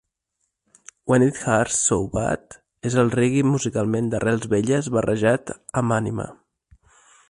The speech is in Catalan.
"When It Hurts So Bad" és el reggae musicalment d'arrels velles barrejat amb ànima.